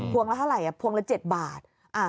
วงละเท่าไหร่พวงละ๗บาท